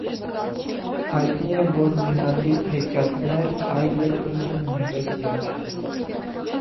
Հայտնի է, որ նմանատիպ հեքիաթներ այլ երնրներում նույնպես եղել են։